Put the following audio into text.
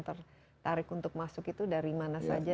tertarik untuk masuk itu dari mana saja